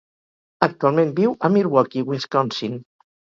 Actualment viu a Milwaukee, Wisconsin.